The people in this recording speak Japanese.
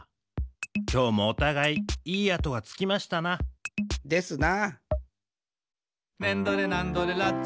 きょうもおたがいいい跡がつきましたな。ですな。